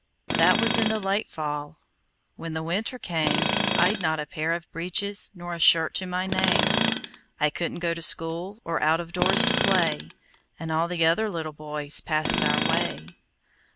That was in the late fall. When the winter came, I'd not a pair of breeches Nor a shirt to my name. I couldn't go to school, Or out of doors to play. And all the other little boys Passed our way.